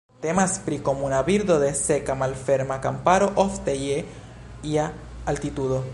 Temas pri komuna birdo de seka malferma kamparo, ofte je ia altitudo.